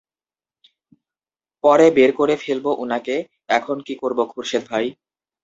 পরে বের করে ফেলবো উনাকে এখন কী করবো, খুরশেদ ভাই?